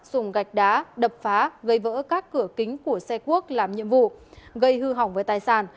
dùng gạch đá đập phá gây vỡ các cửa kính của xe quốc làm nhiệm vụ gây hư hỏng với tài sản